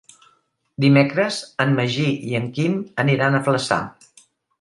Dimecres en Magí i en Quim aniran a Flaçà.